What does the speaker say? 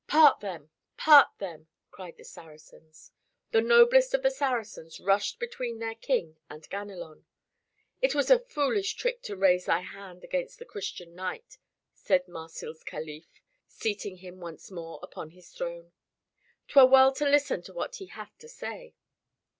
"Part them, part them!" cried the Saracens. The noblest of the Saracens rushed between their King and Ganelon. "It was a foolish trick to raise thy hand against the Christian knight," said Marsil's calif, seating him once more upon his throne. "'Twere well to listen to what he hath to say."